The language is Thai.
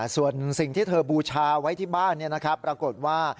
ส่วนสิ่งที่เธอบูชาไว้ที่บ้านปรากฏว่า